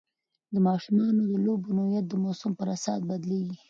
د ماشومانو د لوبو نوعیت د موسم پر اساس بدلېږي.